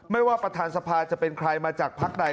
ว่าประธานสภาจะเป็นใครมาจากพักใด